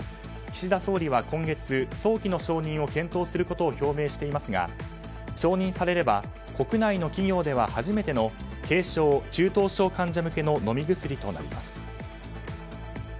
岸田総理は今月早期の承認を検討することを表明していますが承認されれば国内の企業では初めての軽症・中等症患者向けの飲み薬となります。